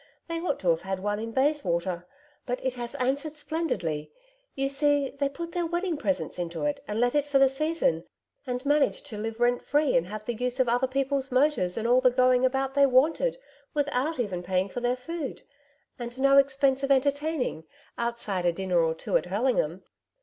They ought to have had one in Bayswater. But it has answered splendidly. You see, they put their wedding presents into it and let it for the season, and managed to live rent free and have the use of other people's motors and all the going about they wanted without paying even for their food ... and no expense of entertaining, outside a dinner or two at Hurlingham....